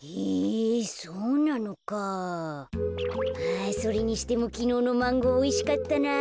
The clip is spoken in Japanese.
あそれにしてもきのうのマンゴーおいしかったなぁ。